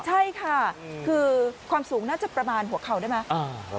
ใช่ค่ะคือความสูงน่าจะประมาณหัวเข่าได้ไหม